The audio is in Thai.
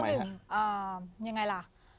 ไม่เชื่อเพราะหนึ่งยังไงล่ะ